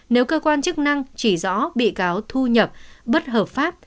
nếu cơ quan chức năng chỉ rõ bị cáo thu nhập bất hợp pháp